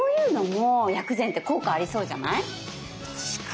確かに。